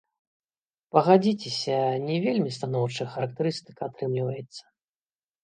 Пагадзіцеся, не вельмі станоўчая характарыстыка атрымліваецца.